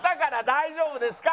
大丈夫ですか？